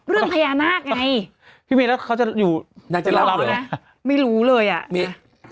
เรื่องพญานาคไงพี่เมย์แล้วเขาจะอยู่นางจะเล่าไหมไม่รู้เลยอ่ะเม